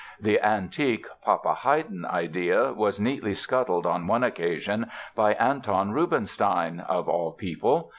The antique "Papa Haydn" idea was neatly scuttled on one occasion by Anton Rubinstein—of all people!